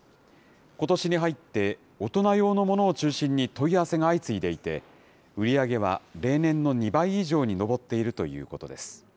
ことしに入って大人用のものを中心に問い合わせが相次いでいて、売り上げは例年の２倍以上に上っているということです。